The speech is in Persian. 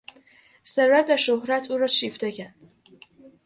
ثروت و شهرت او را شیفته کرد.